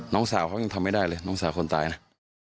น้องสาวเขายังทำไม่ได้เลยน้องสาวคนตายนะ